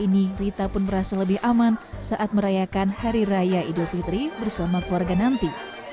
dia juga menerima vaksin dosis ketiga saat merayakan hari raya idul fitri bersama keluarga nanti